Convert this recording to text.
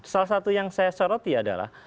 salah satu yang saya soroti adalah